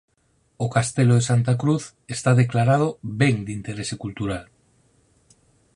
O Castelo de Santa cruz está declarado Ben de Interese Cultural.